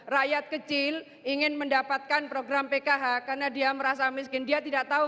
rakyat kecil ingin mendapatkan program pkh karena dia merasa miskin dia tidak tahu